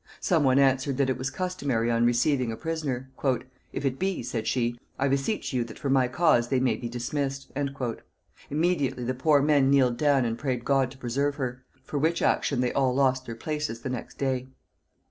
Some one answered that it was customary on receiving a prisoner. "If it be," said she, "I beseech you that for my cause they may be dismissed." Immediately the poor men kneeled down and prayed God to preserve her; for which action they all lost their places the next day.